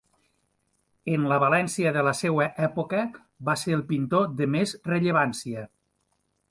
En la València de la seua època va ser el pintor de més rellevància.